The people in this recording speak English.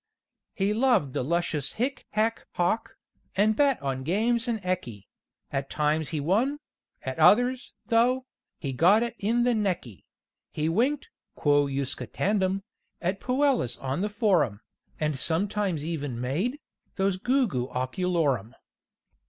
He loved the luscious hic hæc hock, And bet on games and equi; At times he won; at others, though, He got it in the nequi; He winked (quo usque tandem?) At puellas on the Forum, And sometimes even made Those goo goo oculorum!